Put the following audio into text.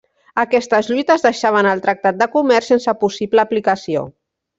Aquestes lluites deixaven el tractat de comerç sense possible aplicació.